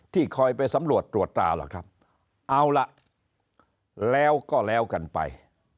คอยไปสำรวจตรวจตาล่ะครับเอาล่ะแล้วก็แล้วกันไป